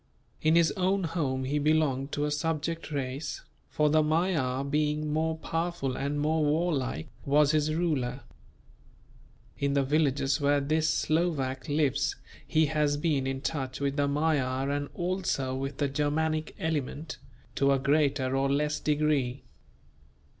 In his own home he belonged to a subject race; for the Magyar being more powerful and more warlike, was his ruler. In the villages where this Slovak lives he has been in touch with the Magyar and also with the Germanic element, to a greater or less degree.